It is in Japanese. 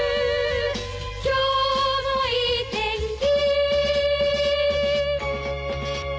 「今日もいい天気」